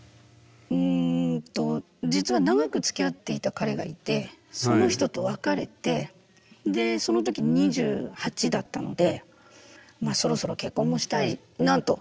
うんと実は長くつきあっていた彼がいてその人と別れてでその時２８だったのでそろそろ結婚もしたいなと。